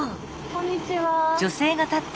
こんにちは。